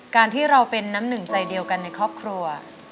การที่เราเป็นน้ำหนึ่งใจเดียวกันในครอบครัว